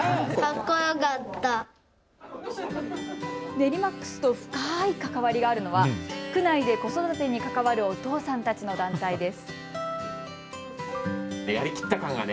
ネリマックスと深い関わりがあるのは区内で子育てに関わるお父さんたちの団体です。